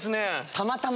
たまたま。